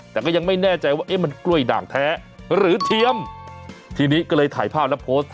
แต่ก็ยังไม่แน่ใจว่าเอ๊ะมันกล้วยด่างแท้หรือเทียมทีนี้ก็เลยถ่ายภาพแล้วโพสต์